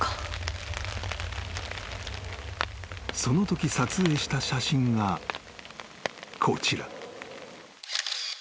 ［そのとき撮影した写真がこちら］